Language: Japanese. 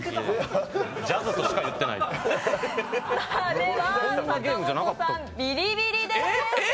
では阪本さん、ビリビリですえ？